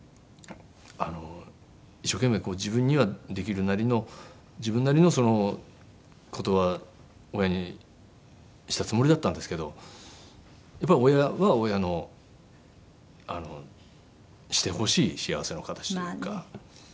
一生懸命自分にはできるなりの自分なりの事は親にしたつもりだったんですけどやっぱり親は親のしてほしい幸せの形というか。